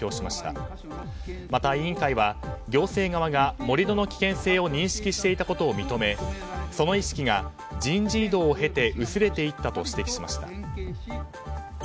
また、委員会は行政側が盛り土の危険性を認識していたことを認めその意識が人事異動を経て薄れていったと指摘しました。